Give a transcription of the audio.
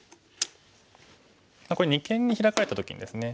これ二間にヒラかれた時にですね。